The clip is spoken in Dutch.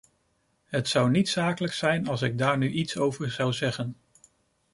Het zou niet zakelijk zijn als ik daar nu iets over zou zeggen.